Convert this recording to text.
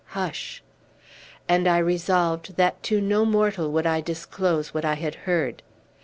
Hush!" and I resolved that to no mortal would I disclose what I had heard.